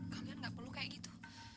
kalian gak perlu kayak gitu